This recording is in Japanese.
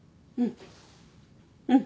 うん。